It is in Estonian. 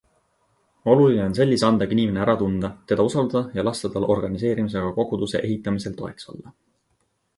Oluline on sellise andega inimene ära tunda, teda usaldada ja lasta tal organiseerimisega koguduse ehitamisel toeks olla.